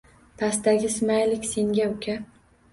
Pastdagi smaylik senga uka!